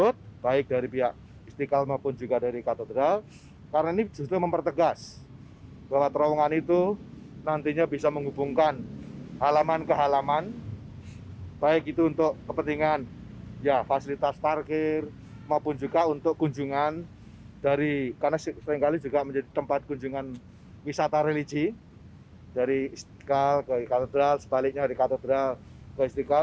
terowongan ini juga menjadi tempat kunjungan wisata religi dari istiqlal ke gereja katedral sebaliknya dari gereja katedral ke istiqlal